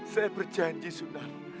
saya berjanji sunan